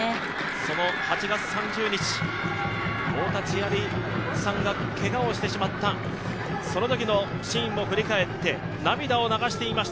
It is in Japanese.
その８月３０日、太田千満さんがけがをしてしまったそのときのシーンを振り返って涙を流していました